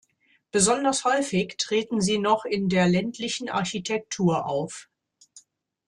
Besonders häufig treten sie noch in der ländlichen Architektur auf.